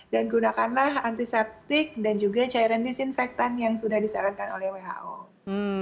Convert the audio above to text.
dan gunakanlah antiseptik dan juga cairan disinfektan yang sudah disarankan oleh who